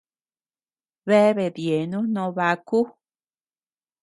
Bea bedyenu noo baku.